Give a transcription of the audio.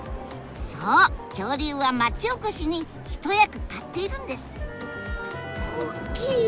そう恐竜は町おこしに一役買っているんです！